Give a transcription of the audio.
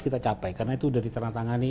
kita capai karena itu dari tanah tangan ini